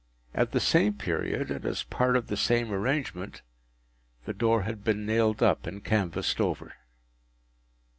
At the same period, and as a part of the same arrangement,—the door had been nailed up and canvased over.